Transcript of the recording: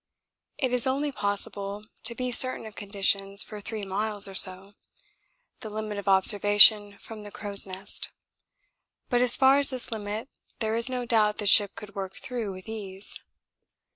It is only possible to be certain of conditions for three miles or so the limit of observation from the crow's nest; but as far as this limit there is no doubt the ship could work through with ease.